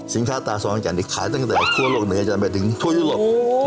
สินค้าต่าซหังแก่นไปตั้งแต่ทั่วโลกเลยจะไปถึงทั่วยุโรป